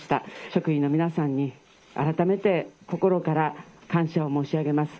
職員の皆さんに改めて心から感謝を申し上げます。